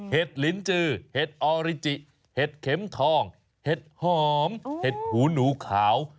ลินจือเห็ดออริจิเห็ดเข็มทองเห็ดหอมเห็ดหูหนูขาว